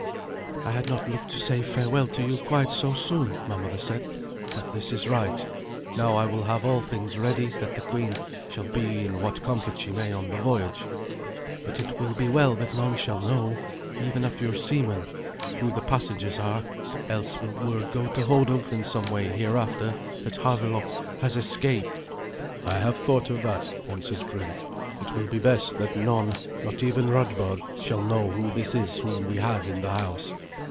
"I had not looked to say farewell to you quite so soon," my mother said; "but this is right. Now I will have all things ready, that the queen shall be in what comfort she may on the voyage. But it will be well that none shall know, even of your seamen, who the passengers are, else will word go to Hodulf in some way hereafter that Havelok has escaped." "I have thought of that," answered Grim. "It will be best that none, not even Radbard, shall know who this is whom we have in the house.